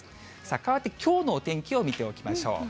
かわってきょうのお天気を見ておきましょう。